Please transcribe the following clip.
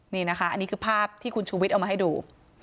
นี่นะคะอันนี้คือภาพที่คุณชูวิทย์เอามาให้ดู